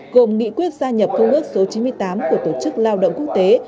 gồm nghị quyết gia nhập công ước số chín mươi tám của tổ chức lao động quốc tế